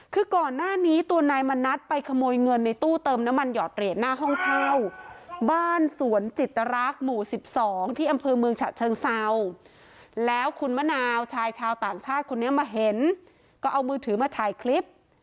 คือก่อนหน้านี้ตัวนายมณัฐไปขโมยเงินในตู้เติมน้ำมันหอดเหรียญหน้าห้องเช่าบ้านสวนจิตรักษ์หมู่๑๒ที่อำเภอเมืองฉะเชิงเศร้าแล้วคุณมะนาวชายชาวต่างชาติคนนี้มาเห็นก็เอามือถือมาถ่ายคลิป